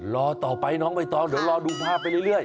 รอต่อไปน้องใบตองเดี๋ยวรอดูภาพไปเรื่อย